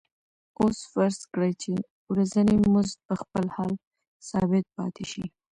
اوس فرض کړئ چې ورځنی مزد په خپل حال ثابت پاتې شي